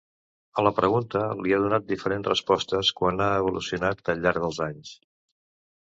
A la pregunta, li ha donat diferents respostes que han evolucionat al llarg dels anys.